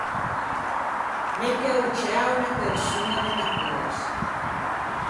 Mette a-o ciæo unna persoña de unna cösa.